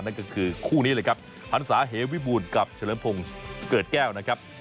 นั่นก็คือคู่นี้เลยครับพันศาเหวิบูรณ์กับเฉลิมพงศ์เกิดแก้วนะครับ